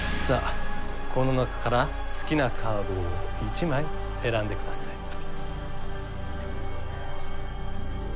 さあこの中から好きなカードを一枚選んでください。